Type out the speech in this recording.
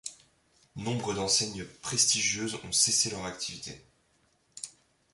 Nombre d’enseignes prestigieuses ont cessé leurs activités.